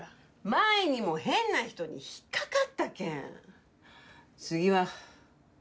前にも変な人に引っかかったけん次は。